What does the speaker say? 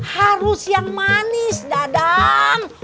harus yang manis dadang